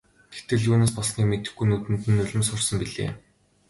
Тэгтэл юунаас болсныг мэдэхгүй нүдэнд нь нулимс хурсан билээ.